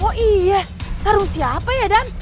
oh iya sarung siapa ya dam